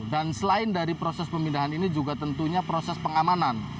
dan selain dari proses pemindahan ini juga tentunya proses pengamanan